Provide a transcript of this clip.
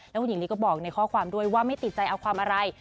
แล้วคุณหญิงลีก็บอกในข้อความด้วยว่าไม่ติดใจเอาความอะไร